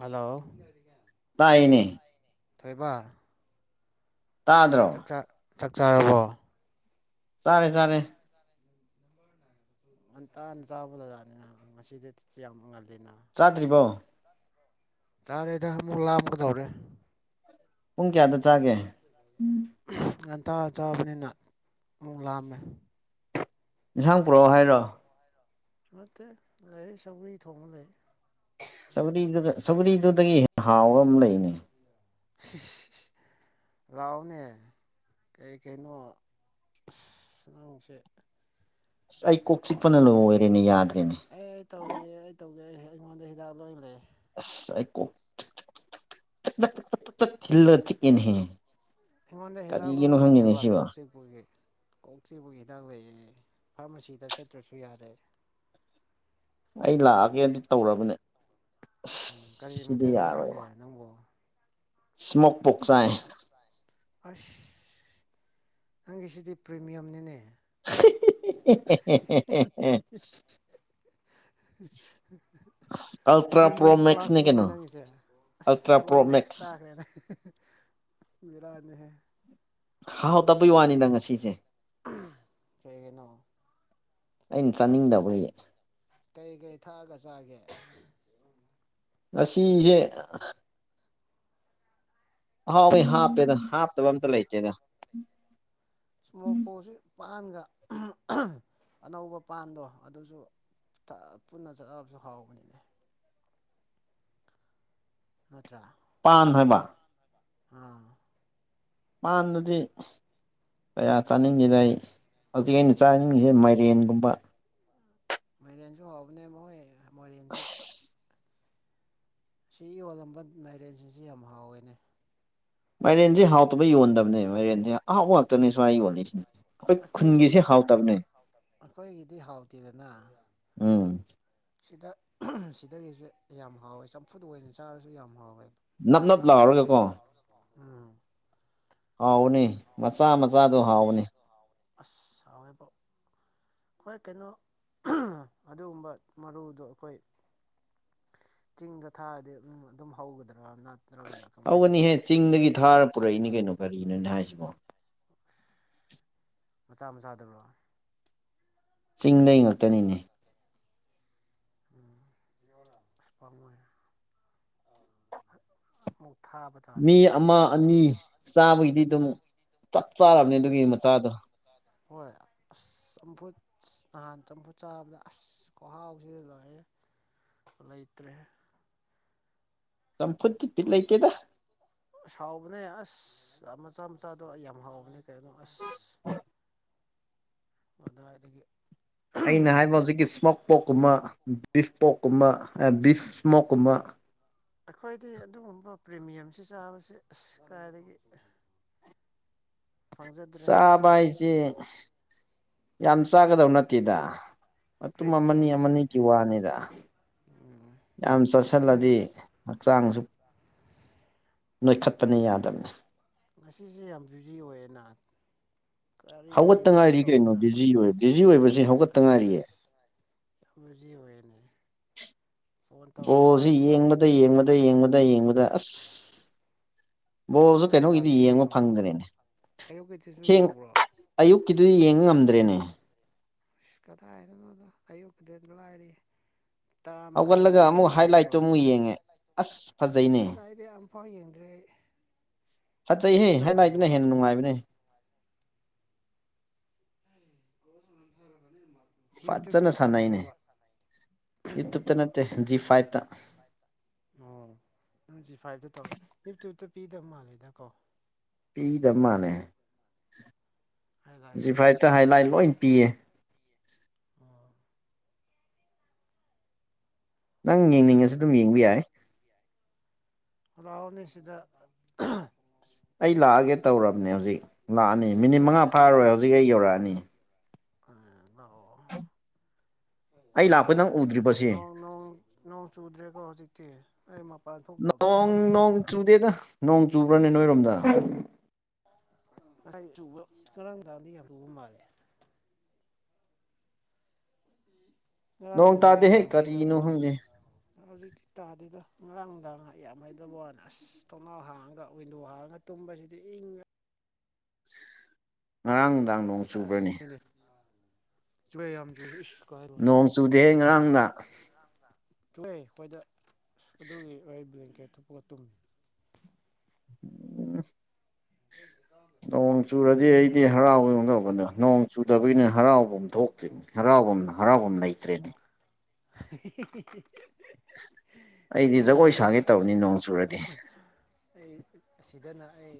Hello ꯄꯥꯏꯅꯦ ꯊꯣꯏꯕ ꯇꯥꯗ꯭ꯔꯣ ꯆꯥꯛꯆꯥ ꯆꯥꯛ ꯆꯥꯔꯕꯣ ꯆꯥꯔꯦ ꯆꯥꯔꯦ ꯉꯟꯇꯥꯅ ꯆꯥꯕꯗꯅꯤꯅ ꯉꯁꯤꯗꯤ ꯆ ꯌꯥꯝꯕ ꯉꯜꯂꯤꯅ ꯆꯥꯗ꯭ꯔꯤꯕꯣ ꯆꯥꯔꯦꯗ ꯑꯃꯨꯛ ꯂꯥꯝꯕ ꯇꯧꯔꯦ ꯄꯨꯡ ꯀꯌꯥꯗ ꯆꯥꯒꯦ ꯇꯥ ꯆꯥꯕꯅꯤꯅ ꯑꯃꯨꯛ ꯂꯥꯑꯃꯦ ꯏꯟꯁꯥꯡ ꯄꯨꯔꯛꯑꯣ ꯍꯥꯏꯔꯣ ꯅ ꯂꯩ ꯁꯧꯒꯔꯤ ꯊꯣꯡꯉ ꯂꯩ ꯆꯔꯤꯗꯨ ꯆꯧꯒꯔꯤꯗꯨꯗꯒꯤ ꯍꯦꯟꯅ ꯍꯥꯎꯒ ꯑꯃ ꯂꯩꯅꯦ ꯂꯥꯎꯅꯦ ꯀꯩꯀꯩꯅꯣ ꯁꯝꯁꯠ ꯑꯁ ꯑꯩ ꯀꯣꯛ ꯆꯤꯛꯄꯅ ꯂꯣꯏꯔꯦꯅꯦ ꯌꯥꯗ꯭ꯔꯦꯅꯦ ꯑꯩ ꯇꯧꯒꯦ ꯑꯩ ꯇꯧꯒꯦ ꯑꯩꯉꯣꯟꯗ ꯍꯤꯥꯛ ꯂꯣꯏ ꯂꯩꯦ ꯑꯀꯣ ꯊꯂ ꯑꯦꯅꯦ ꯑꯩꯉꯣꯟꯗ ꯍꯤꯗꯥꯛ ꯂꯣꯏ ꯂꯩꯑꯕ ꯀꯣꯛꯆꯤꯡꯄꯨꯔꯒꯤ ꯀꯣꯛ ꯆꯦꯕꯒꯤ ꯍꯤꯗꯥꯛ ꯂꯩꯌꯦ ꯐꯥꯔꯃꯥꯁꯤꯗ ꯆꯠꯇ꯭ꯔꯁꯨ ꯌꯥꯔꯦ ꯑꯩ ꯂꯥꯛꯑꯒꯦ ꯑꯗꯨ ꯇꯧꯔꯕꯅꯦ ꯑꯁ ꯎꯝ ꯀꯔꯤ ꯁꯤꯗꯤ ꯃꯇꯌꯥ ꯆꯥꯔꯒꯦ ꯅꯪꯕꯨ ꯏꯁꯃꯣꯣꯛ ꯄꯣꯛꯆꯥꯏ ꯑꯁ ꯅꯪꯒꯤꯁꯤꯗꯤ ꯄ꯭ꯔꯤꯃꯤꯌꯝꯅꯤꯅꯦ [unintelligible] [unintelligible] ꯑꯜꯇ꯭ꯔꯥ ꯄ꯭ꯔꯣ ꯄ꯭ꯔꯤꯃꯤꯌꯝ ꯃꯦꯛꯁꯅꯦ ꯄ꯭ꯂꯥꯁꯅꯤꯅꯦ ꯀꯩꯅꯣ ꯅꯪꯒꯤꯁꯦ ꯑꯁ ꯄ꯭ꯔꯣ ꯃꯦꯛꯁ ꯇꯥꯈ꯭ꯔꯦ ꯅꯪ ꯔꯥꯅꯦꯍꯦ ꯍꯥꯎꯥꯎ ꯇꯕꯩ ꯋꯥꯅꯤꯗ ꯉꯁꯤꯁꯦ ꯀꯩꯒꯤꯅꯣ ꯑꯩꯅ ꯆꯥꯅꯤꯡꯗꯕꯒꯤ ꯀꯩꯀꯩ ꯊꯥꯛꯑꯒ ꯆꯥꯒꯦ ꯑꯁꯤꯁꯤꯁꯦ ꯍꯥꯎ ꯃ ꯍꯥꯞꯄꯦꯗ ꯍꯥꯞꯇꯕ ꯑꯝꯇ ꯂꯩꯇꯦꯗ ꯏꯁꯃꯣꯄꯣꯁꯤ ꯄꯥꯟꯒ ꯑꯅꯧꯕ ꯄꯥꯟꯗꯣ ꯑꯗꯨꯁꯨ ꯄꯨꯟꯅ ꯆꯥꯛꯑꯕꯁꯨ ꯍꯥꯎꯕꯅꯤꯅꯦ ꯅꯠꯇ꯭ꯔꯥ ꯄꯥꯟ ꯍꯥꯏꯕ ꯑꯝ ꯃꯥꯥꯟꯅꯗꯤ ꯀꯌꯥ ꯆꯥꯅꯤꯡꯉꯤꯗ ꯑꯩ ꯍꯧꯖꯤꯛ ꯑꯩꯅ ꯎꯝ ꯆꯥꯅꯤꯡꯉꯤꯁꯦ ꯃꯥꯏꯔꯦꯟꯒꯨꯝꯕ ꯃꯣꯏꯔꯦꯟꯁꯨ ꯍꯧꯕꯅꯦ ꯃꯣꯏ ꯃꯣꯏꯔꯦꯟꯁꯦ ꯁꯤ ꯌꯣꯜꯂꯝꯕ ꯃꯥꯏꯔꯦꯟꯁꯤꯡꯁꯤ ꯌꯥꯝ ꯍꯥꯎꯋꯦꯅꯦ ꯃꯥꯏꯔꯦꯟꯁꯦ ꯍꯥꯎꯇꯕ ꯌꯣꯟꯗꯕꯅꯦ ꯃꯥꯏꯔꯦꯟꯁꯦ ꯑꯍꯥꯎꯕ ꯉꯥꯛꯇꯅꯦ ꯁꯨꯃꯥꯏꯅ ꯌꯣꯜꯂꯤꯁꯤꯅꯦ ꯑꯩꯈꯣꯏ ꯈꯨꯟꯒꯤꯁꯦ ꯍꯥꯎꯇꯕꯅꯦ ꯑꯩꯈꯣꯏꯒꯤꯗꯤ ꯍꯥꯎꯇꯦꯗꯅ ꯎꯝ ꯁꯤꯗ ꯁꯤꯗꯒꯤꯁꯦ ꯌꯥꯝ ꯍꯥꯎꯋꯦ ꯆꯝꯐꯨꯠ ꯑꯣꯏꯅ ꯆꯥꯔꯁꯨ ꯌꯥꯝ ꯍꯥꯎꯋꯦꯕ ꯅꯞ ꯅꯞ ꯂꯥꯎꯔꯒ ꯀꯣ ꯎꯝ ꯍꯥꯎꯅꯤ ꯃꯆꯥ ꯃꯆꯥꯗꯣ ꯍꯥꯎꯅꯤ ꯑꯁ ꯌꯥꯋꯦꯕ ꯈ꯭ꯏ ꯀꯩꯅꯣ ꯑꯗꯨꯒꯨꯝꯕ ꯃꯔꯨꯗꯣ ꯑꯩꯈꯣꯏ ꯆꯤꯡꯗ ꯊꯥꯔꯗꯤ ꯑꯗꯨꯝ ꯍꯧꯒꯗꯕ ꯍꯧꯒꯅꯤꯍꯦ ꯆꯤꯡꯗꯒꯤ ꯊꯥꯔ ꯄꯨꯔꯛꯏꯅꯤ ꯀꯩꯅꯣ ꯀꯔꯤꯅꯣꯅꯦ ꯍꯥꯏꯁꯤꯕꯣ ꯃꯆꯥ ꯃꯆꯥꯗꯧꯔꯣ ꯆꯤꯡꯗ ꯉꯥꯛꯛꯇꯅꯤꯅꯦ ꯁꯄꯣꯏ ꯃꯤ ꯑꯃ ꯑꯅꯤ ꯆꯥꯕꯒꯤꯗꯤ ꯑꯗꯨꯝ ꯆꯞ ꯆꯥꯔꯕꯅꯦ ꯑꯗꯨꯒꯤ ꯃꯆꯥꯗꯣ ꯍꯣꯏ ꯑꯁ ꯆꯝꯐꯨꯠ ꯑ ꯅꯍꯥꯟ ꯆꯝꯐꯨꯠ ꯆꯥꯕꯗ ꯑꯁ ꯈꯍꯥꯎꯁꯤꯗ ꯂꯣꯏ ꯑꯩ ꯂꯩꯇ꯭ꯔꯦ ꯆꯝꯐꯨꯠꯇꯤ ꯕꯤꯠ ꯃ ꯂꯩꯇꯦꯗ ꯁꯥꯎꯕꯕꯅꯥ ꯑꯁ ꯃꯆꯥ ꯃꯆꯥꯗꯣ ꯑꯩ ꯌꯥꯝ ꯍꯥꯎꯕꯅꯦ ꯀꯩꯅꯣ ꯑꯁ ꯃꯗꯥꯥꯏꯗꯒꯤ ꯑꯩꯅ ꯍꯥꯏꯕ ꯍꯧꯖꯤꯛꯀꯤ ꯏꯁꯃꯣꯛ ꯄꯣꯛꯀꯨꯝꯕ ꯕꯤꯐ ꯄꯣꯛꯀꯨꯝꯕ ꯕꯤꯐ ꯃꯀꯃꯥ ꯑꯩꯈꯣꯏꯗꯤ ꯑꯗꯨꯒꯨꯝꯕ ꯄ꯭ꯔꯤꯃꯤꯌꯝꯁꯤ ꯆꯥꯕꯁꯤ ꯑꯁ ꯀꯥꯏꯗꯒꯤ ꯐꯪꯖꯗ꯭ꯔꯦ ꯆꯥꯕ ꯍꯥꯏꯁꯤꯅꯤ ꯍꯥꯏꯆꯦ ꯌꯥꯝ ꯆꯥꯒꯗꯕ ꯅꯠꯇꯦꯗ ꯃꯇꯨꯝ ꯑꯃꯅꯤ ꯄ꯭ꯔꯦꯃꯤꯌꯝꯁꯤꯗꯤ ꯑꯃꯅꯤꯒꯤ ꯋꯥꯅꯤꯗ ꯎꯝ ꯌꯥꯝ ꯆꯥꯁꯤꯜꯂꯗꯤ ꯍꯛꯆꯥꯡꯁꯨ ꯅꯣꯏꯈꯠꯄꯅ ꯌꯥꯗꯕꯅꯤ ꯉꯁꯤꯁꯦ ꯌꯥꯝ ꯭ꯨꯖꯤ ꯑꯣꯏꯌꯦꯅ ꯀꯔꯤ ꯀꯔꯤ ꯍꯧꯒꯠꯇ ꯊꯕꯛ ꯉꯥꯏꯔꯤ ꯀꯩꯅꯣ ꯇꯧꯔꯖꯥꯠꯅꯣ ꯕꯤꯖꯤ ꯑꯣꯏ ꯕꯤꯖꯤ ꯑꯣꯏꯕꯁꯤ ꯍꯧꯒꯠꯇ ꯑꯁ ꯉꯥꯏꯔꯤꯌꯦ ꯌꯥꯝ ꯖꯤ ꯑꯣꯏꯅꯦ ꯕꯣꯜꯁꯤ ꯌꯦꯡꯕꯗ ꯌꯦꯡꯕꯗ ꯌꯦꯡꯕꯗ ꯌꯦꯡꯕꯗ ꯑꯁ ꯕꯣꯁꯨ ꯉꯔꯥꯡ ꯀꯩꯅꯣꯒꯤꯗꯤ ꯅꯨꯡꯗꯥꯡꯒꯤꯁꯨ ꯌꯦꯡꯕ ꯌꯦꯡꯕ꯭ꯔꯣ ꯐꯪꯗ꯭ꯔꯦꯅꯦ ꯑꯌꯨꯛꯀꯤꯗꯨꯁꯨ ꯁꯦꯡ ꯌꯦꯡꯕ꯭ꯔꯣ ꯑꯌꯨꯛꯀꯤ ꯑꯗꯨ ꯌꯦꯡ ꯉꯝꯗ꯭ꯔꯦꯅꯦ ꯀꯗꯥꯏ ꯍꯥꯏꯗꯣꯏꯅꯣꯗꯣ ꯑꯌꯨꯗꯦꯟꯒ ꯂꯥꯏꯔꯤ ꯇꯔꯥ ꯍꯧꯒꯠꯂꯒ ꯃꯈꯥꯏꯒꯤꯗꯨꯁꯨ ꯑꯃꯨꯛ ꯌꯦꯡꯕ ꯍꯥꯏꯂꯥꯏꯠꯇꯨ ꯑꯃꯨꯛ ꯂꯣꯏꯗ꯭ꯔꯤ ꯌꯦꯡꯉꯦ ꯑꯁ ꯐꯖꯩꯅꯦ ꯑꯐ ꯌꯦꯡꯗ꯭ꯔꯦ ꯐꯆꯩꯍꯦ ꯌꯨꯇ꯭ꯌꯨꯕꯇ ꯍꯥꯏ ꯂꯥꯏꯏꯗꯨꯅ ꯐꯪꯕ꯭ꯔꯣ ꯍꯦꯟꯅ ꯅꯨꯡꯉꯥꯏꯕꯅꯦ [unintelligible] ꯐꯖꯅ ꯌꯨꯇ꯭ꯌꯨꯕꯇ ꯁꯥꯟꯅꯩꯅꯦ ꯐꯪꯕ꯭ꯔꯕ ꯌꯨꯇꯨꯕꯇ ꯅꯠꯇꯦ ꯖꯤ ꯐꯥꯏꯚꯇ ꯑꯣ ꯅꯪ ꯁꯤ ꯐꯥꯏꯚꯇ ꯇꯧꯋꯦ ꯌꯨꯇꯌꯨꯕꯇ ꯄꯤꯗꯕ ꯃꯥꯜꯂꯦꯗꯀꯣ ꯄꯤꯗꯕ ꯃꯥꯅꯦ ꯑꯩ ꯂꯥꯛꯏꯁꯦ ꯖꯤꯐꯥꯏꯠꯇ ꯍꯥꯏ ꯂꯥꯏ ꯂꯣꯏ ꯄꯤꯌꯦ ꯑꯣ ꯅꯪ ꯌꯦꯡꯅꯤꯡꯉꯁꯨ ꯑꯗꯨꯝ ꯅꯨꯡꯉꯥꯏꯔꯝꯒꯅꯤꯅꯦ ꯌꯦꯡꯕ ꯌꯥꯏ ꯂꯥꯎꯅꯤꯁꯤꯗ ꯑꯩ ꯂꯥꯛꯑꯒꯦ ꯇꯧꯔꯕꯅꯦ ꯍꯧꯖꯤꯛ ꯂꯥꯛꯑꯅꯤ ꯃꯤꯅꯤꯠ ꯑꯩꯈꯣꯏ ꯃꯉꯥ ꯐꯥꯔꯣꯏ ꯍꯧꯖꯤꯛ ꯑꯩ ꯌꯧꯔꯛꯑꯅꯤ ꯗ ꯑꯩ ꯁꯤ ꯂꯥꯛꯄ ꯅꯪ ꯂꯩꯔꯒ ꯎꯗ꯭ꯔꯤꯕꯁꯤ ꯅꯣꯡ ꯆꯨꯗ꯭ꯔꯦꯀꯣ ꯍꯧꯖꯤꯛꯇꯤ ꯑꯩ ꯃꯄꯥꯟ ꯊꯣꯛꯇꯕꯅꯤ ꯅꯣꯡ ꯈꯪꯗꯦꯅꯤ ꯅꯣꯡ ꯆꯨꯗꯦꯗ ꯅꯣꯡ ꯆꯨꯕ꯭ꯔꯅꯦ ꯅꯣꯏꯔꯣꯝꯗ ꯉꯁꯥꯏ ꯆꯨꯕ ꯉꯥ ꯔꯥꯡ ꯇꯕꯗꯤ ꯌꯥꯝ ꯂꯨꯕ ꯃꯥꯜꯂꯦ ꯉꯔꯥꯡ ꯅꯣꯡ ꯅꯨꯡꯗꯥꯡꯗꯤ ꯇꯥꯗꯦꯍꯦ ꯌꯥꯝ ꯍꯩꯗꯕ ꯀꯔꯤꯅꯣ ꯃꯥꯜꯂꯦ ꯈꯪꯗꯦ ꯍꯧꯖꯤꯛꯇꯤ ꯇꯥꯗꯦꯗ ꯉꯔꯥꯡꯗꯥꯡ ꯌꯥꯝ ꯍꯩꯗꯕ ꯋꯥꯅ ꯑꯁ ꯊꯣꯡꯅꯥꯎ ꯍꯥꯡꯉꯒ ꯋꯤꯟꯗꯣ ꯍꯥꯡꯉꯒ ꯇꯨꯝꯕꯁꯤꯗꯤ ꯏꯪꯉꯦ ꯉꯔꯥꯡ ꯅꯨꯡꯗꯥꯡ ꯅꯣꯡ ꯆꯨꯕ꯭ꯔꯅꯤ ꯌꯦ ꯌꯥꯝ ꯆꯨꯏ ꯏ ꯀꯥꯏꯔ ꯇꯗ ꯇꯨꯑꯦ ꯑꯩꯈꯣꯏꯗ ꯑ ꯑꯗꯨꯒꯤ ꯑꯣꯏ ꯕ꯭ꯂꯦꯡꯀꯦꯠꯄꯒ ꯇꯨꯝꯃꯤ ꯎꯝ ꯍ ꯅꯣꯡ ꯆꯨꯔꯗꯤ ꯑꯩꯗꯤ ꯍꯔꯥꯎꯒꯗꯗ ꯅꯣꯡ ꯆ ꯇꯕꯨꯅ ꯍꯔꯥꯎꯐꯝ ꯊꯣꯛꯇ꯭ꯔꯤꯅꯦ ꯍꯔꯥꯎꯐꯝ ꯍꯔꯥꯎꯐꯝ ꯂꯩꯇ꯭ꯔꯦꯅꯦ [unintelligible] ꯑꯩꯗꯤ ꯖꯒꯣꯏ ꯁꯥꯒꯦ ꯀꯩꯒꯤꯅꯣꯅꯦ ꯑꯩ ꯇꯕꯅꯤ ꯅꯣꯡ ꯆꯨꯔꯗꯤ ꯑꯩ ꯑꯁꯤꯗꯅ ꯑꯩ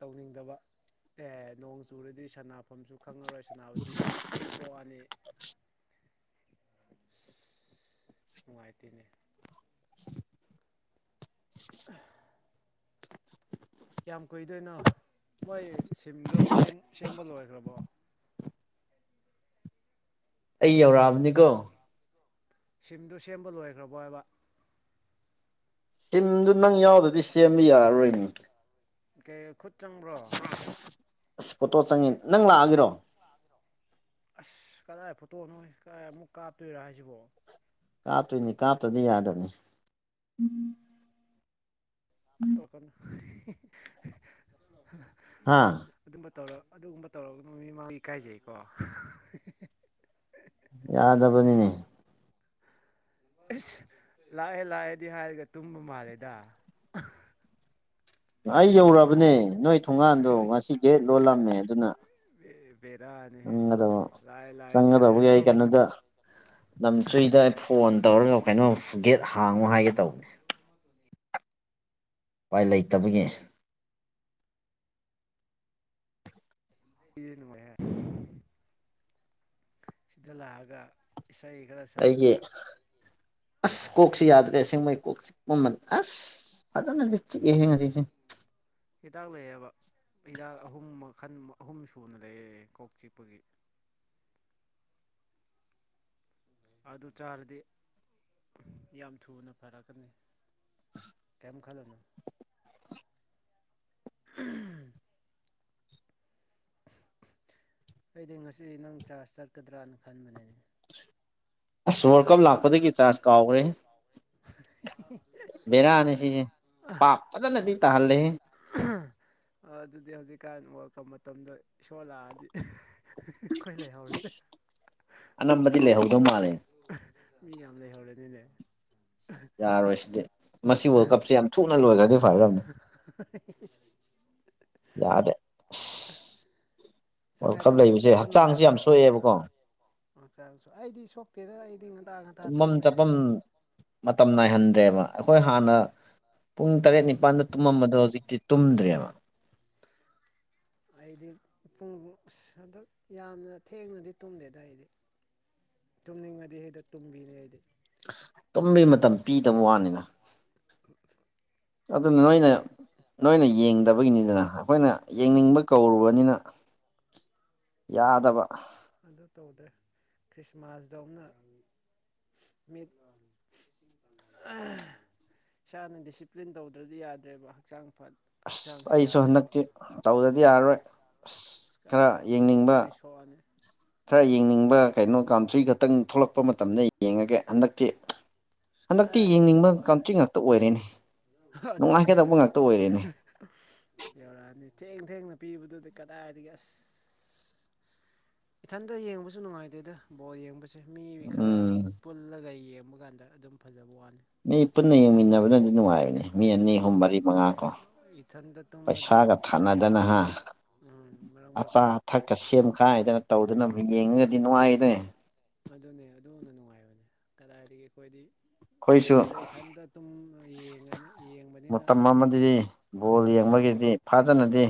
ꯇꯧꯅꯤꯡꯗꯕ ꯑꯦ ꯅꯣꯡ ꯆꯨꯨꯔꯗꯤ ꯁꯅꯐꯝꯁꯨ ꯈꯪꯉꯔꯣꯏ ꯁꯅꯕꯁꯨ ꯇꯣꯛꯑꯅꯤ ꯅꯨꯡꯉꯥꯏꯇꯅꯦꯅꯦ [unintelligible] [unintelligible] ꯀꯌꯥꯝ ꯀꯨꯏꯗꯣꯏꯅꯣ ꯃꯣꯏ ꯁꯤꯝꯗꯣ ꯁꯦꯝꯕ ꯂꯣꯏꯈ꯭ꯔꯕꯣ ꯑꯩ ꯌꯧꯔꯛꯑꯕꯅꯤꯀꯣ ꯁꯤꯝꯗꯨ ꯁꯦꯝꯕ ꯂꯣꯏꯈ꯭ꯔꯕꯣ ꯍꯥꯏꯕ ꯊꯤꯝꯗꯨ ꯅꯪ ꯌꯥꯎꯗꯗꯤ ꯁꯦꯝꯕ ꯌꯥꯔꯔꯣꯏꯅꯤ ꯀꯩ ꯈꯨꯠ ꯆꯪꯕ꯭ꯔꯣ ꯑꯁ ꯐꯣꯇꯣ ꯆꯪꯉꯤ ꯅꯪ ꯂꯥꯛꯑꯒꯤꯔꯣ ꯑꯁ ꯀꯗꯥꯏ ꯐꯣꯇꯣꯅꯣ ꯀꯗꯥꯏ ꯑꯃꯨꯛ ꯀꯥꯞꯇꯣꯏꯔ ꯍꯥꯏꯁꯤꯕꯣ ꯀꯥꯞꯇꯣꯏꯅꯤ ꯀꯥꯞꯇ꯭ꯔꯗꯤ ꯌꯥꯗꯕꯅꯤ ꯇꯧꯀꯅꯨ ꯍꯥ ꯑꯗꯨꯝꯕ ꯇꯧꯔꯒ ꯑꯗꯨꯒꯨꯝꯕ ꯇꯧꯔꯒ ꯃꯤꯃꯥꯡꯒꯤ ꯏꯀꯥꯏꯖꯩꯀꯣ ꯌꯥꯗꯕꯅꯤꯅꯦ ꯑꯁ ꯂꯥꯛꯑꯦ ꯂꯥꯛꯑꯦꯗꯤ ꯍꯥꯏꯔꯒ ꯇꯨꯝꯕ ꯃꯥꯜꯂꯦꯗ ꯑꯩ ꯌꯧꯔꯕꯅꯦ ꯅꯣꯏ ꯊꯣꯡꯒꯥꯟꯗꯣ ꯉꯁꯤ ꯒꯦꯠ ꯂꯣꯜꯂꯝꯃꯦ ꯑꯗꯨꯅ ꯕꯦꯔꯥꯅꯤꯍꯦ ꯆꯪꯒꯗꯧꯕ ꯂꯥꯛꯑꯦ ꯂꯥꯛꯑꯦꯗꯤ ꯍꯥꯏꯔ ꯆꯪꯒꯗꯧꯕꯒꯤ ꯑꯩ ꯇꯨꯝꯕ ꯀꯩꯅꯣꯗ ꯅꯝꯗ꯭ꯔꯤꯗ ꯑꯩ ꯐꯣꯟ ꯇꯧꯔꯒ ꯀꯩꯅꯣꯝ ꯐꯨꯒꯦꯠ ꯍꯥꯡꯉꯨ ꯍꯥꯏꯒꯦ ꯇꯧꯕꯅꯤ ꯎꯄꯥꯏ ꯂꯩꯇꯕꯒꯤ ꯅ ꯃꯌꯥꯝ ꯁꯤꯗ ꯂꯥꯛꯑꯒ ꯏꯁꯩ ꯈꯔ ꯑꯩꯒꯤ ꯁꯛꯑꯒ ꯑꯁ ꯀꯣꯛꯁꯤ ꯌꯥꯗ꯭ꯔꯦꯁ ꯁꯦꯡꯕ ꯀꯣꯛ ꯑꯁ ꯐꯁꯦ ꯊ ꯍꯦꯡꯉꯁ ꯍꯤꯗꯥꯛ ꯂꯩꯑꯕ ꯍꯤꯗꯥꯛ ꯑꯍꯨꯝ ꯃꯈꯟ ꯑꯍꯨꯝ ꯁꯨꯅ ꯂꯩꯌꯦ ꯀꯣꯛ ꯆꯤꯛꯄꯒꯤ ꯑꯗꯨ ꯆꯥꯔꯗꯤ ꯌꯥꯝ ꯊꯨꯅ ꯐꯔꯛꯀꯅꯤ ꯀꯦꯝ ꯈꯂꯣꯅ [unintelligible] ꯑꯩꯗꯤ ꯉꯁꯤ ꯅꯪ ꯆꯥꯔꯖ ꯆꯠꯀꯗ꯭ꯔꯥꯅ ꯈꯟꯕꯅꯦꯅꯦ ꯑꯁ ꯋꯥꯔ ꯀꯞ ꯂꯥꯛꯄꯗꯒꯤ ꯆꯥꯔꯖ ꯀꯥꯎꯈ꯭ꯔꯦ [unintelligible] [inaudible] ꯕꯦꯔꯥꯅꯤ ꯁꯤꯁꯦ ꯄꯥꯞ ꯐꯖꯅꯗꯤ ꯇꯥꯍꯜꯂꯦ ꯑꯗꯨꯗꯤ ꯍꯧꯖꯤꯛꯀꯥꯟ ꯑꯣꯏꯔꯛꯄ ꯃꯇꯝꯗ ꯏꯁꯣꯔ ꯂꯥꯛꯑꯗꯤ ꯈꯣꯏ ꯂꯩꯥꯏ ꯍꯥꯎꯔꯦ ꯑꯅꯝꯕꯗꯤ ꯂꯩꯍꯧꯗꯧ ꯃꯥꯜꯂꯦ ꯃꯤ ꯌꯥꯝ ꯂꯩꯍꯧꯔꯦꯅꯤꯅꯦ ꯌꯥꯔꯣꯏ ꯁꯤꯗꯤ ꯃꯁꯤ ꯋꯥꯋꯔꯜ ꯀꯞꯁꯦ ꯌꯥꯝ ꯊꯨꯅ ꯂꯣꯏꯈ꯭ꯔꯣꯏ [unintelligible] [inaudible] ꯌꯥꯗꯦ [unintelligible] [inaudible] ꯋꯥꯔꯜ ꯀꯞ ꯁꯉꯥꯏꯄ꯭ꯔꯣꯗ ꯂꯩꯕꯁꯦ ꯆꯠꯄ ꯍꯛꯆꯥꯡꯁꯨ ꯅꯨꯡꯉꯥꯏꯕ꯭ꯔꯣ ꯌꯥꯝ ꯁꯣꯛꯑꯦꯕꯀꯣ ꯍꯆꯥꯡꯁꯨ ꯑꯩꯗꯤ ꯁꯣꯛ ꯀꯦꯗꯗꯥ ꯑꯩꯗꯤ ꯉꯟꯇꯥ ꯉꯟꯇꯥ ꯇꯨꯝꯐꯝ ꯇꯨꯝꯃꯦ ꯆꯠꯐꯝ ꯃꯇꯝ ꯅꯥꯏꯍꯟꯗ꯭ꯔꯦꯕ ꯑꯩꯈꯣꯏ ꯍꯥꯟꯅ ꯄꯨꯡ ꯇꯔꯦꯠ ꯅꯤꯄꯥꯜꯗ ꯇꯨꯝꯃꯝꯕꯗꯣ ꯍꯧꯖꯤꯛꯇꯤ ꯇꯨꯝꯗ꯭ꯔꯦꯕ ꯑꯩꯗꯤ ꯄꯨꯡꯕꯨ ꯍꯟꯗꯛ ꯌꯥꯝꯅ ꯊꯦꯡꯅꯗꯤ ꯇꯨꯝꯗꯦꯗ ꯑꯩꯗꯤ ꯇꯨꯝꯅꯤꯡꯉꯗꯤ ꯍꯦꯛꯇ ꯇꯨꯝꯕꯤꯅꯦ ꯑꯩꯗꯤ ꯇꯨꯝꯕꯩ ꯃꯇꯝ ꯄꯤꯗꯕ ꯋꯥꯅꯤꯅ ꯑꯗꯨ ꯑꯗꯨꯅ ꯅꯣꯏꯅꯦ ꯅꯣꯏꯅ ꯌꯦꯡꯗꯕꯒꯤꯅꯤꯗꯅ ꯑꯩꯈꯣꯏꯅ ꯌꯦꯡꯅꯤꯡꯕ ꯀꯧꯔꯨꯕꯅꯤꯅ ꯍꯥꯏꯗꯤ ꯌꯥꯗꯕ ꯑꯗꯨ ꯇꯧꯗ꯭ꯔꯦ ꯈ꯭ꯔꯤꯁꯃꯥꯁꯇꯧꯅ ꯃꯤꯠ ꯏꯁꯥꯅ ꯗꯤꯁꯤꯄ꯭ꯂꯤꯟ ꯇꯧꯗ꯭ꯔꯗꯤ ꯌꯥꯗ꯭ꯔꯦꯕ ꯍꯛꯆꯥꯡ ꯐꯠ ꯑꯁ ꯍꯛꯆꯥꯡꯁꯦ ꯑꯩꯁꯨ ꯌꯥꯗ꯭ꯔꯦꯕ ꯍꯟꯗꯛꯇꯤ ꯇꯧꯗꯗꯤ ꯌꯥꯔꯔꯣꯏ ꯑꯁ ꯈꯔ ꯏꯁꯀꯥꯗꯥꯗꯤ ꯌꯦꯡꯅꯤꯡꯕ ꯅꯏ ꯁꯣꯅꯦ ꯈꯔ ꯌꯦꯡꯅꯤꯡꯕ ꯀꯩꯅꯣ ꯀꯥꯝꯊ꯭ꯔꯤ ꯈꯛꯇꯪ ꯊꯣꯛꯂꯛꯄ ꯃꯇꯝꯗ ꯌꯦꯡꯉꯒꯦ ꯍꯟꯗꯛꯇꯤ ꯑꯁ ꯍꯟꯗꯛꯇꯤ ꯀꯗꯥꯏꯗꯅꯣ ꯌꯦꯡꯅꯤꯡꯕ ꯍꯣꯏ ꯀꯟꯇ꯭ꯔꯤ ꯉꯥꯛꯇ ꯑꯣꯏꯔꯦꯅꯤ ꯑꯗꯨꯅꯤ ꯌꯧꯔꯛꯑꯅꯤ ꯊꯦꯡ ꯊꯦꯡꯅ ꯄꯤꯕꯗꯨꯗꯤ ꯀꯗꯥꯏꯗꯒꯤ ꯑꯁ ꯏꯊꯟꯇ ꯌꯦꯡꯕꯁꯨ ꯅꯨꯡꯉꯥꯏꯇꯦꯗ ꯕꯣꯜ ꯌꯦꯡꯕꯁꯦ ꯃꯤ ꯃꯤ ꯈꯔ ꯎꯝ ꯄꯨꯜꯂꯒ ꯌꯦꯡꯕ ꯇꯕ ꯀꯥꯟꯗ ꯑꯗꯨꯝ ꯐꯖꯕ ꯋꯥꯅꯤ ꯃꯤ ꯄꯨꯟꯅ ꯌꯦꯡꯃꯤꯟꯅꯕꯅꯗꯤ ꯅꯨꯡꯉꯥꯏꯕꯅꯤ ꯃꯤ ꯑꯅꯤ ꯑꯍꯨꯝ ꯎꯝ ꯃꯔꯤ ꯃꯉꯥ ꯀꯣ ꯏꯊꯟꯇ ꯇꯨꯝꯃꯗꯤ ꯄꯩꯁꯥꯒ ꯊꯥꯅꯗꯅꯍ ꯎꯝ ꯃꯔꯛ ꯑꯆꯥ ꯃꯔꯛꯇ ꯑꯊꯛꯀ ꯁꯦꯝꯈꯥꯏꯗꯅ ꯇꯧꯗꯨꯅ ꯑꯃꯨꯛ ꯌꯦꯡꯉꯒꯗꯤ ꯅꯨꯡꯉꯥꯏꯗ꯭ꯔꯦ ꯑꯗꯨꯅꯦ ꯑꯗꯨꯅ ꯅꯨꯡꯉꯥꯏꯕꯅꯦ ꯀꯗꯥꯏꯗꯒꯤ ꯑꯩꯈꯣꯏꯗꯤ ꯑꯩꯈꯣꯏꯁꯨ ꯐꯣꯟꯗ ꯏꯊꯟꯇ ꯑꯗꯨꯝꯅꯤ ꯌꯦꯡꯕꯅꯤꯅ ꯑꯃꯒꯤꯒꯤꯗꯤ ꯐꯥꯖꯅꯗꯤ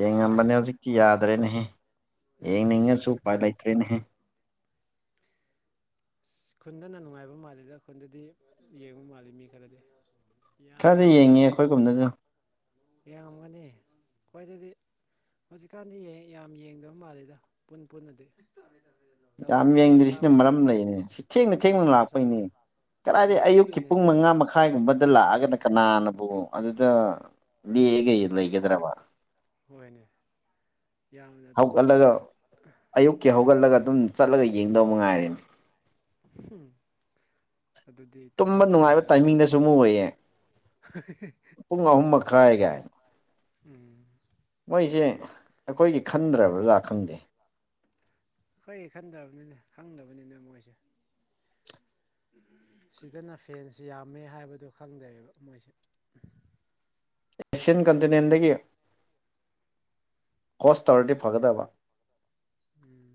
ꯌꯦꯡꯉꯝꯕꯅꯦ ꯍꯧꯖꯤꯛꯇꯤ ꯌꯥꯗ꯭ꯔꯦꯅꯦꯍꯦ ꯌꯥꯗꯦ ꯑꯁ ꯌꯦꯡꯅꯤꯡꯉꯁꯨ ꯎꯄꯥꯏ ꯂꯩꯇ꯭ꯔꯦꯅꯦꯍꯦ ꯈꯨꯟꯗꯅ ꯅꯨꯡꯉꯥꯏꯕ ꯌꯥꯝ ꯈꯔꯗꯤ ꯍꯥꯟꯅ ꯌꯦꯡꯉ ꯑꯩꯈꯣꯏꯒꯨꯝꯗꯥꯅ ꯌꯦꯡꯉꯝꯒꯅꯤ ꯈꯣꯏ ꯑꯗꯨꯗꯤ ꯍꯧꯖꯤꯛꯀꯥꯟꯗꯤ ꯌꯥꯝ ꯌꯦꯡꯗꯕ ꯃꯥꯜꯂꯤꯦꯗ ꯄꯨꯟ ꯄꯨꯟꯅꯗꯤ ꯊꯕꯛ ꯌꯥꯝ ꯃꯁꯥ ꯌꯦꯡꯗ꯭ꯔꯤꯁꯤꯅ ꯃꯁꯥ ꯃꯔꯝ ꯂꯩꯅꯦ ꯁꯤ ꯊꯦꯡꯅ ꯃꯁꯥ ꯊꯦꯡꯅ ꯃꯁꯥ ꯂꯥꯛꯄꯩꯅꯦ ꯀꯗꯥꯏꯗ ꯎꯝ ꯑꯌꯨꯛꯀꯤ ꯑꯗꯨꯒꯤꯅꯦ ꯄꯨꯡ ꯃꯉꯥ ꯃꯈꯥꯏꯒꯨꯝꯕ ꯑꯗꯨꯗ ꯂꯥꯛꯑꯒꯅ ꯀꯅꯥꯅꯕꯨ ꯑꯗꯨꯗ ꯂꯦꯛꯑꯒꯩ ꯂꯩꯒꯗ꯭ꯔꯕ ꯍꯣꯏꯅꯦ ꯌꯥꯝꯅ ꯍꯧꯒꯠꯂꯒ ꯑꯌꯨꯛꯀꯤ ꯍꯧꯒꯠꯂꯒ ꯑꯗꯨꯝ ꯆꯠꯂꯒ ꯌꯦꯡꯗꯑꯣꯕ ꯉꯥꯏꯔꯦꯅꯦ ꯍꯨꯝ ꯇꯨꯝꯕ ꯅꯨꯡꯉꯥꯏꯕ ꯇꯥꯏꯃꯤꯡꯗꯁꯨ ꯑꯃꯨꯛ ꯑꯣꯏꯌꯦ ꯄꯨꯡ ꯑꯍꯨꯝ ꯃꯈꯥꯏ ꯀꯥꯏꯅ ꯎꯝ ꯃꯣꯏꯁꯦ ꯑꯩꯈꯣꯏꯒꯤ ꯈꯟꯗ꯭ꯔꯕ꯭ꯔꯖꯥ ꯈꯪꯗꯦ ꯐꯩ ꯈꯟꯗꯕꯅꯤꯅ ꯈꯪꯗꯕꯅꯤꯅ ꯃꯣꯏꯁꯦ ꯁꯤꯗꯅ ꯐꯦꯟꯁꯤ ꯌꯥꯝꯃꯦ ꯍꯥꯏꯕꯗꯣ ꯈꯪꯗꯦꯕ ꯃꯣꯏꯁꯦ ꯑꯦꯁꯤꯌꯥꯟ ꯀꯟꯇꯤꯅꯦꯟꯗꯒꯤ ꯀꯣꯁꯇꯔꯗꯤ ꯐꯒꯗꯕ ꯎꯝ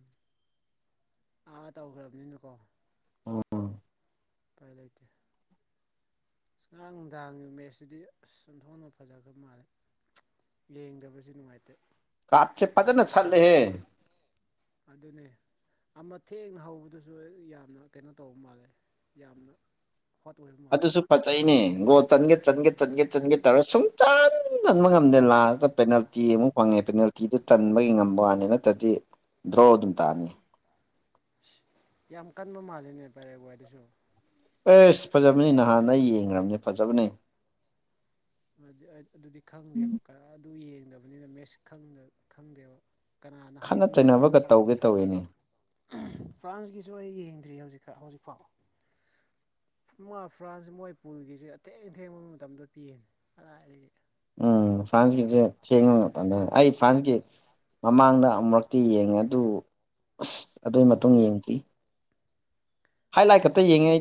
ꯑꯥ ꯇꯧꯈ꯭ꯔꯕꯅꯤꯅꯀꯣ ꯄꯥꯏ ꯂꯩꯇ ꯑꯉꯥꯡ ꯅꯨꯡꯗꯥꯡꯒꯤ ꯃꯦꯠꯁꯤꯗꯤ ꯑꯁ ꯆꯨꯝꯊꯣꯛꯅ ꯐꯖꯈꯕ ꯃꯥꯜꯂꯦ ꯌꯦꯦꯡꯗꯕꯕꯁꯤ ꯅꯨꯡꯉꯥꯏꯇꯦ ꯀꯥꯞꯆꯦ ꯄꯖꯅ ꯆꯜꯂꯦꯦ ꯑꯗꯨꯅꯦ ꯑꯃ ꯊꯦꯡꯅ ꯍꯧꯕꯗꯨꯁꯨ ꯌꯥꯝꯅ ꯀꯩꯅꯣ ꯇꯧꯕ ꯃꯥꯜꯂꯦ ꯌꯥꯝꯅ ꯍꯣꯠ ꯑꯣꯏꯕ ꯃꯥꯜꯂꯦ ꯑꯗꯨꯁꯨ ꯐꯖꯩꯅꯦ ꯣ ꯆꯒꯦ ꯆꯒꯦ ꯆꯟꯒꯦ ꯆꯟꯒꯦ ꯇꯧꯔ ꯁꯨꯡꯆ ꯆꯟꯕ ꯉꯝꯗꯦ ꯂꯥꯁꯇ ꯄꯦꯅꯥꯜꯇꯤ ꯑꯃꯨꯛ ꯐꯪꯉꯦ ꯄꯦꯅꯦꯜꯇꯤꯗꯨ ꯆꯟꯕꯒꯤ ꯉꯝꯕ ꯋꯥꯅꯤ ꯅꯠꯇ꯭ꯔꯗꯤ ꯗ꯭ꯔꯣ ꯑꯗꯨꯝ ꯇꯥꯅꯤ꯫ ꯑꯁ ꯌꯥꯝ ꯀꯟꯕ ꯃꯥꯜꯂꯤꯅꯦ ꯄꯔꯦ ꯋꯥꯔꯤꯏꯗꯨꯁꯨ꯫ ꯑꯦꯁ ꯐꯖꯕꯅꯤ ꯅꯍꯥꯟꯗ ꯌꯦꯡꯈ꯭ꯔꯕꯅꯤ ꯐꯖꯕꯅꯤ꯫ ꯑꯗꯨꯗꯤ ꯈꯪꯗꯦꯕ ꯀꯔ ꯑꯗꯨ ꯌꯦꯡꯗꯕꯅꯤꯅ ꯃꯦꯁ ꯈꯪꯗꯦꯕ꯫ ꯀꯅꯥꯅ ꯈꯠꯅ ꯍꯩꯕꯅꯣ ꯀꯅꯥꯅ ꯆꯩꯅꯕꯒ ꯇꯧꯒꯦ ꯇꯧꯋꯤꯅꯦ ꯐ꯭ꯔꯥꯟꯁꯀꯤꯁꯨ ꯑꯩ ꯌꯦꯡꯗ꯭ꯔꯤ ꯍꯧꯖꯤꯛ꯫ ꯈꯔ ꯍꯧꯖꯤꯛ ꯐꯥꯎ꯫ ꯐꯃꯥ ꯐꯨꯔꯥꯟꯁꯦ ꯃꯣꯏ ꯄꯨꯒꯤꯁꯦ ꯑꯊꯦꯡ ꯑꯊꯦꯡꯕ ꯃꯇꯝꯗ ꯄꯤꯌꯦ ꯀꯗꯥꯏꯗꯤ꯫ ꯎꯝ ꯐ꯭ꯔꯥꯟꯁ ꯀꯦꯡꯁꯦ ꯊꯦꯡꯕꯥ ꯑꯩ ꯐ꯭ꯔꯥꯟꯁꯦ꯫ ꯃꯃꯥꯡꯗ ꯑꯃꯨꯨꯔꯛꯇꯤ ꯌꯦꯡꯉꯦ ꯑꯗꯨ ꯑꯁ ꯑꯗꯨꯒꯤ ꯃꯇꯨꯡ ꯌꯦꯡꯗꯔ꯭ꯤ꯫ ꯉꯁꯤꯁꯨ ꯄꯨꯡ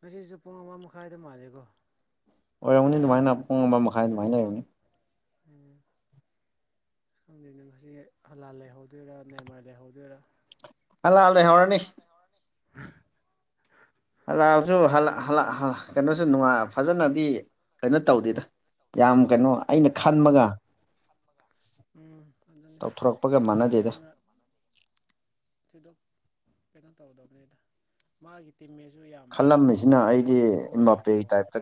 ꯉꯁꯤꯁꯨ ꯄꯨꯡ ꯑꯃ ꯃꯈꯥꯏꯗ ꯃꯥꯜꯂꯦꯀꯣ꯫ ꯑꯣꯏꯔꯧꯅꯤ ꯑꯗꯨꯃꯥꯏꯅ ꯄꯨꯡꯕ ꯃꯈꯥꯏ ꯑꯗꯨꯃꯥꯏꯅ ꯑꯣꯏꯔꯝꯅꯤ꯫ ꯎꯝ꯫ ꯈꯪꯗꯦꯅ ꯉꯁꯤ ꯍꯂꯥꯜ ꯂꯩꯍꯧꯗꯣꯏꯔꯥ ꯅꯦꯃꯔ ꯂꯩꯍꯧꯗꯣꯏꯔꯥ꯫ ꯑꯜꯂꯜ ꯂꯩꯍꯧꯔꯅꯤ꯫ [unintelligible] ꯍꯂꯥꯜꯁꯨ ꯀꯩꯅꯣꯁꯨ ꯅꯨꯡꯉꯥꯏ ꯐꯖꯅꯗꯤ꯫ ꯀꯩꯅꯣ ꯇꯧꯗꯦꯗ ꯌꯥꯝ ꯀꯩꯅꯣ ꯑꯩꯅ ꯎꯝ ꯈꯟꯕꯒ꯫ ꯎꯝ ꯑꯗꯨꯅꯤ ꯇꯧꯊꯣꯔꯛꯄꯒ ꯃꯥꯟꯅꯗꯦꯗ꯫ ꯌꯥꯝꯅ ꯊꯣꯏꯗꯣꯛ ꯀꯩꯅꯣ ꯇꯧꯗꯕꯅꯦꯗ ꯃꯥꯒꯤ꯫ ꯇꯤꯝꯃꯦꯁꯨ ꯌꯥꯝ ꯈꯜꯂꯝꯃꯤꯁꯤꯅ ꯑꯩꯗꯤ ꯂꯤꯡꯕ ꯏꯃꯥꯄꯦꯒꯤ ꯑꯣꯏꯗꯦꯕꯀꯣ꯫ ꯇꯥꯏꯞꯇ